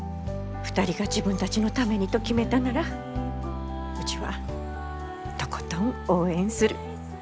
２人が自分たちのためにと決めたならうちはとことん応援する。